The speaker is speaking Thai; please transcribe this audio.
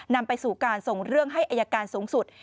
นำไปสู่การส่งเรื่องให้อายการสูงสุด